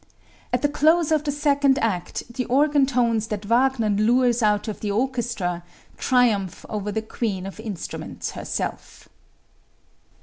At the close of the second act the organ tones that Wagner lures out of the orchestra triumph over the queen of instruments itself."